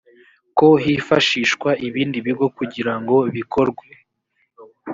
ko hifashishwa ibindi bigo kugira ngo bikorwe